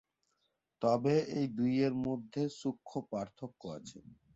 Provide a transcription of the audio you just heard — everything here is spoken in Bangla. তবে এই দুইয়ের মধ্যে সূক্ষ্ম পার্থক্য আছে।